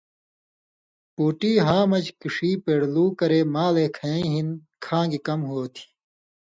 بُوٹی ہامژ کِݜی پېڑلو کرے مالے کھیَیں ہِن کھانگیۡ کم ہوتھی۔